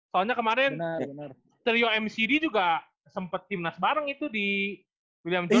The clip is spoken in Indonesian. soalnya kemarin trio mcd juga sempet tim nas bareng itu di william jones cup